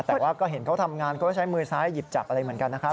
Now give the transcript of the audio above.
แต่ว่าก็เห็นเขาทำงานเขาก็ใช้มือซ้ายหยิบจับอะไรเหมือนกันนะครับ